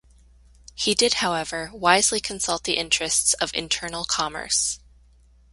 He did, however, wisely consult the interests of internal commerce.